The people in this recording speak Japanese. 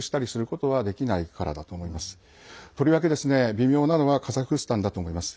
とりわけ微妙なのはカザフスタンだと思います。